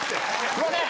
すいません！